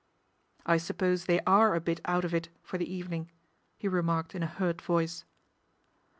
" I suppose they are a bit out of it for the evening," he remarked in a hurt voice.